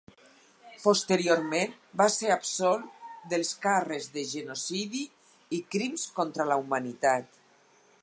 Posteriorment va ser absolt dels càrrecs de genocidi i crims contra la humanitat.